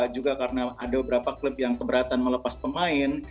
juga karena ada beberapa klub yang keberatan melepas pemain